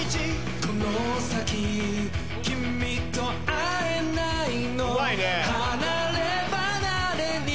この先君と会えないのうまいね。離れ離れに